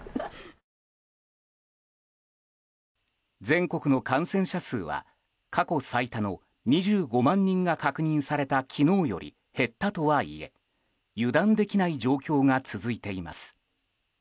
全国の感染者数は過去最多の２５万人が確認された昨日より減ったとはいえ油断できない状況が続いています。